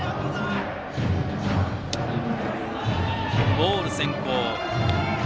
ボール先行。